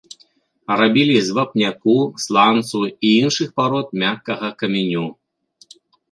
Рабілі з вапняку, сланцу і іншых парод мяккага каменю.